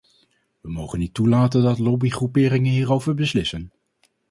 We mogen niet toelaten dat lobbygroeperingen hierover beslissen.